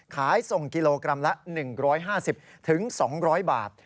ขายส่งกิโลกรัมละ๑๕๐๒๐๐บาท